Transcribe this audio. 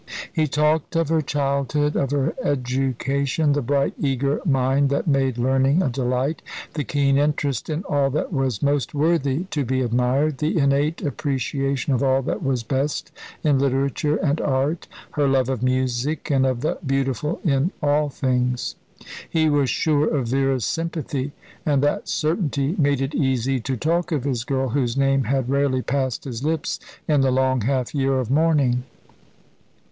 He talked of her childhood, of her education, the bright, eager mind that made learning a delight, the keen interest in all that was most worthy to be admired, the innate appreciation of all that was best in literature and art, her love of music, and of the beautiful in all things. He was sure of Vera's sympathy, and that certainty made it easy to talk of his girl, whose name had rarely passed his lips in the long half year of mourning.